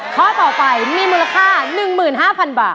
ข้อต่อไปมีมูลค่าหนึ่งหมื่นห้าพันบาท